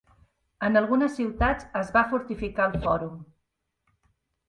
En algunes ciutats es va fortificar el fòrum.